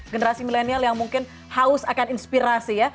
generasi milenial yang mungkin haus akan inspirasi ya